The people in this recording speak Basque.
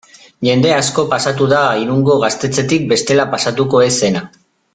Jende asko pasatu da Irungo gaztetxetik bestela pasatuko ez zena.